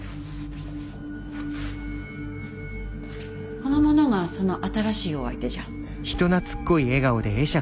この者がその新しいお相手じゃ。